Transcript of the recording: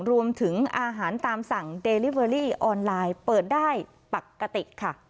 รวมถึงอาหารตามสั่งเดลิเวอรี่ออนไลน์เปิดได้ปกติค่ะ